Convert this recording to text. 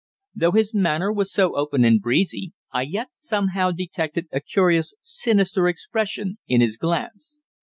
Though his manner was so open and breezy, I yet somehow detected a curious sinister expression in his glance.